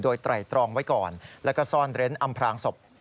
โดยไตรตรองไว้ก่อนแล้วก็ซ่อนเร้นอำพลางศพ